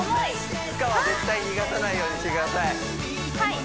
負荷は絶対に逃がさないようにしてくださいはい！